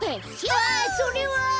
ああそれは。